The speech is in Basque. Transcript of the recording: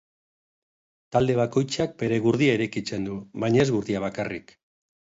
Talde bakoitzak bere gurdia eraikitzen du, baina ez gurdia bakarrik.